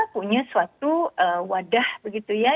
punya suatu wadah begitu ya